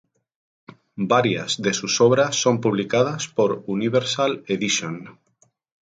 Varias de sus obras son publicadas por Universal Edition.